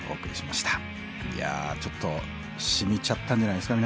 いやちょっとしみちゃったんじゃないですか？